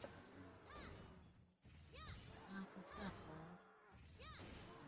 mkulima anapaswa kupalilia viazi vitamu katika miezi miwili ya kwanza